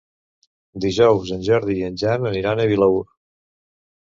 Dijous en Jordi i en Jan aniran a Vilaür.